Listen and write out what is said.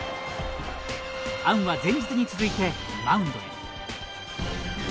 アンは前日に続いてマウンドへ。